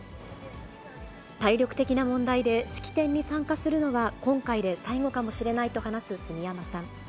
体力的な問題で式典に参加するのは今回で最後かもしれないと話す住山さん。